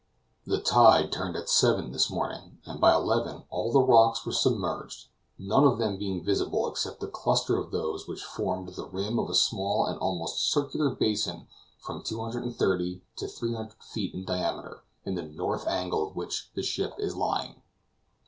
The tide turned at seven this morning, and by eleven all the rocks were submerged, none of them being visible except the cluster of those which formed the rim of a small and almost circular basin from 230 to 300 feet in diameter, in the north angle of which the ship is lying.